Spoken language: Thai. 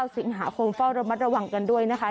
สิงหาคมเฝ้าระมัดระวังกันด้วยนะคะ